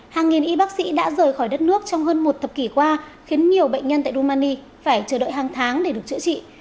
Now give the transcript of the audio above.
hàng nghìn y bác sĩ đã rời khỏi đất nước trong hơn một thập kỷ qua khiến nhiều bệnh nhân tại rumani phải chờ đợi hàng tháng để được chữa trị